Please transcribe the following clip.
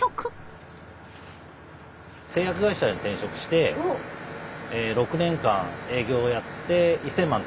製薬会社に転職して６年間営業をやって１，０００万